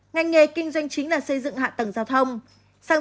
ngành nghề kinh doanh chính là xây dựng hạ tầng giao thông